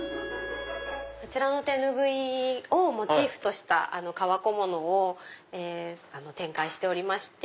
こちらの手拭いをモチーフとした革小物を展開しておりまして。